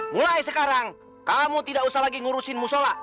mulai sekarang kamu tidak usah lagi ngurusin mu sholat